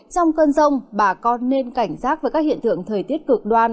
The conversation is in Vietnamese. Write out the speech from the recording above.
trong cơn rông bà con nên cảnh giác với các hiện tượng thời tiết cực đoan